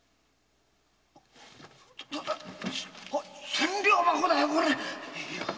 千両箱だよこれ！